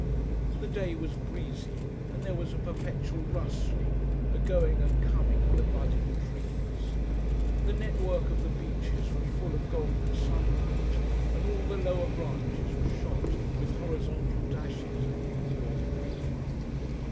The day was breezy, and there was a perpetual rustling, a going and coming in the budding trees. The network of the beeches was full of golden sunlight, and all the lower branches were shot with horizontal dashes of new born green.